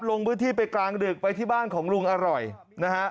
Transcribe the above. ลงพื้นที่ไปกลางดึกไปที่บ้านของลุงอร่อยนะฮะ